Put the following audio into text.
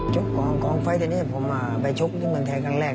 จุดของกองไฟที่นี่ผมไปชุกที่เมืองไทยครั้งแรก